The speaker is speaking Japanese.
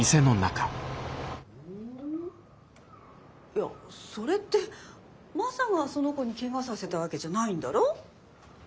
いやそれってマサがその子にケガさせたわけじゃないんだろ？